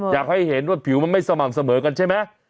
อยากให้เห็นว่าผิวมันไม่สม่ำเสมอกันใช่ไหม